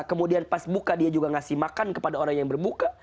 kemudian pas buka dia juga ngasih makan kepada orang yang berbuka